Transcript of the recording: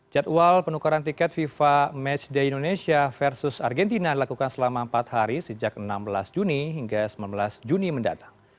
jadwal penukaran tiket fifa matchday indonesia versus argentina dilakukan selama empat hari sejak enam belas juni hingga sembilan belas juni mendatang